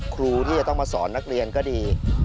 ครูที่จะต้องมาสอนนักเรียนก็ดี